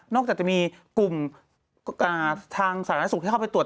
เพราะเมื่อก่อนนึกจะไปก็ไปได้